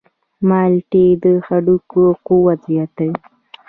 مالټې د هډوکو قوت زیاتوي.